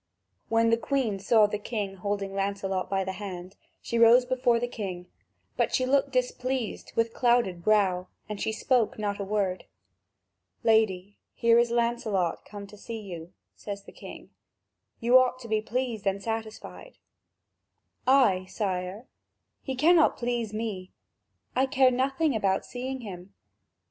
When the Queen saw the king holding Lancelot by the hand, she rose before the king, but she looked displeased with clouded brow, and she spoke not a word. "Lady, here is Lancelot come to see you," says the king; "you ought to be pleased and satisfied." "I, sire? He cannot please me. I care nothing about seeing him."